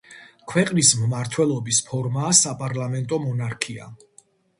ქვეყნის მმართველობის ფორმაა საპარლამენტო მონარქია.